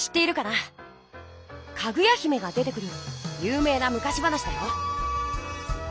かぐや姫が出てくるゆう名な昔話だよ。